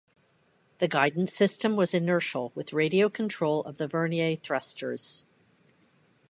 The guidance system was inertial with radio control of the vernier thrusters.